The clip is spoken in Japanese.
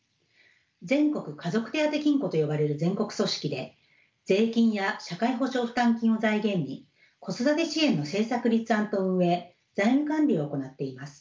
全国家族手当金庫と呼ばれる全国組織で税金や社会保障負担金を財源に子育て支援の政策立案と運営財務管理を行っています。